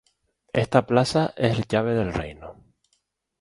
Esta plaza es llave del reino.